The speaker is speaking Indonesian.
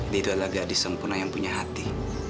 dia itu adalah gadis sempurna yang punya hati